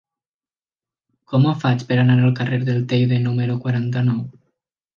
Com ho faig per anar al carrer del Teide número quaranta-nou?